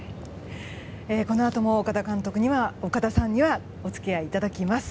このあとも岡田さんにはお付き合いいただきます。